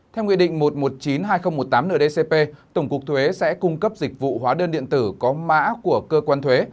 theo nghị định một trăm một mươi chín hai nghìn một mươi tám ndcp tổng cục thuế sẽ cung cấp dịch vụ hóa đơn điện tử có mã của cơ quan thuế